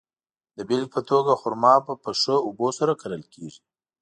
د بېلګې په توګه، خرما په ښه اوبو سره کرل کیږي.